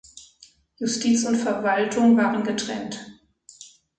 Justiz und Verwaltung waren getrennt.